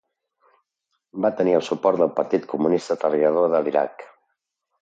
Va tenir el suport del Partit Comunista Treballador de l'Iraq.